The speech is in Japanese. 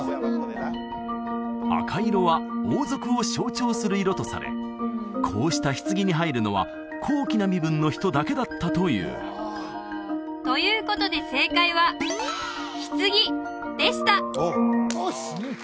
赤色は王族を象徴する色とされこうした棺に入るのは高貴な身分の人だけだったというということで正解は「棺」でしたよし！